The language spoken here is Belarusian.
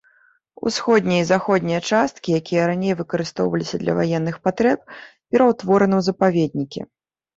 Усходняя і заходняя часткі, якія раней выкарыстоўваліся для ваенных патрэб, пераўтвораны ў запаведнікі.